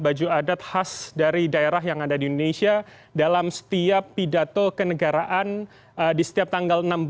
baju adat khas dari daerah yang ada di indonesia dalam setiap pidato kenegaraan di setiap tanggal enam belas